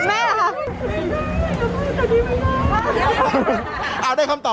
เอาตัวนี้เลยเหรอคะ